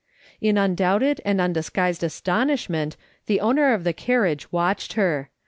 In undoubted and undisguised astonishment the owner of the carriage watched her.